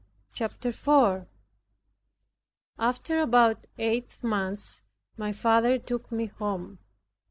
CHAPTER 4 After about eight months, my father took me home.